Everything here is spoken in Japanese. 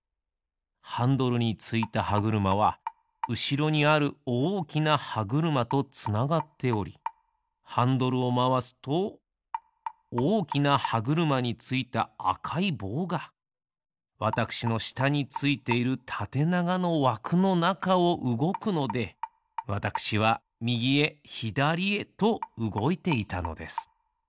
ハンドルについたはぐるまはうしろにあるおおきなはぐるまとつながっておりハンドルをまわすとおおきなはぐるまについたあかいぼうがわたくしのしたについているたてながのわくのなかをうごくのでわたくしはみぎへひだりへとうごいていたのです。